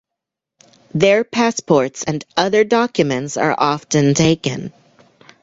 Their passports and other documents are often taken.